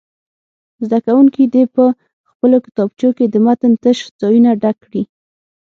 زده کوونکي دې په خپلو کتابچو کې د متن تش ځایونه ډک کړي.